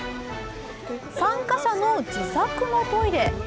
参加者の自作のトイレ。